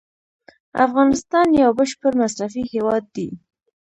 افغانستان یو بشپړ مصرفي هیواد دی.